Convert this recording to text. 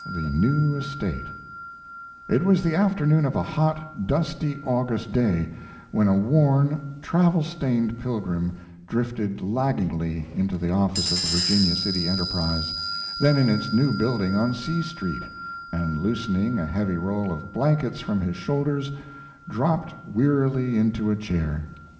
THE NEW ESTATE It was the afternoon of a hot, dusty August day when a worn, travel stained pilgrim drifted laggingly into the office of the Virginia City Enterprise, then in its new building on C Street, and, loosening a heavy roll of blankets from his shoulders, dropped wearily into a chair.